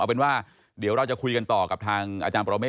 เอาเป็นว่าเดี๋ยวเราจะคุยกันต่อกับทางอาจารย์ประเมฆ